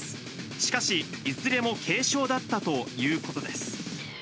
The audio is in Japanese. しかし、いずれも軽傷だったということです。